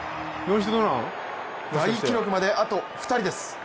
大記録まであと２人です。